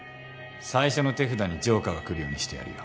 最初の手札にジョーカーが来るようにしてやるよ。